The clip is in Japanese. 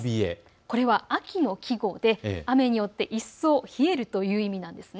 これは秋の季語で雨によって一層冷えるという意味です。